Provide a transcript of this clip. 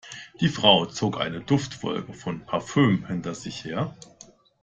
Die Frau zog eine Duftwolke von Parfüm hinter sich her.